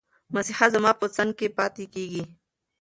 مسیحا زما په څنګ کې پاتې کېږي.